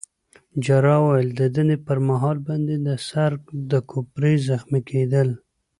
جراح وویل: د دندې پر مهال باندي د سر د کوپړۍ زخمي کېدل.